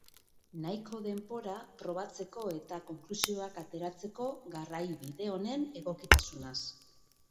Nahiko denbora probatzeko eta konklusioak ateratzeko garraiabide honen egokitasunaz.